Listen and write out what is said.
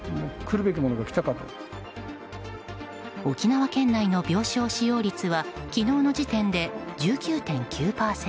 沖縄県内の病床使用率は昨日の時点で１９．９％。